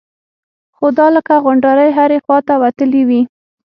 خو دا لکه غونډارې هرې خوا ته وتلي وي.